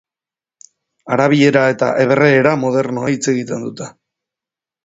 Arabiera eta hebreera modernoa hitz egiten dute.